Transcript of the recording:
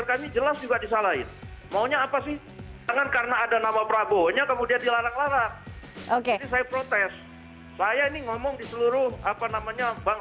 kalau ini kemudian karena ada nama prabonya dilarang ya jangan begitu dong